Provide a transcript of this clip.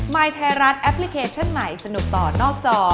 ยไทยรัฐแอปพลิเคชันใหม่สนุกต่อนอกจอ